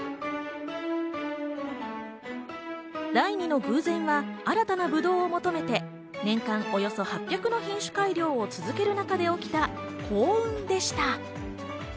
第２の偶然は新たなぶどうを求めて年間およそ８００の品種改良を続ける中で起きた幸運でした。